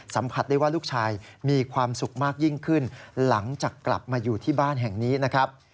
สัมผัสได้ว่าลูกชายมีความสุขมากยิ่งขึ้นหลังจากกลับมาอยู่ที่บ้านแห่งนี้นะครับ